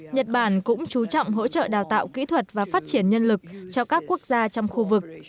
nhật bản cũng chú trọng hỗ trợ đào tạo kỹ thuật và phát triển nhân lực cho các quốc gia trong khu vực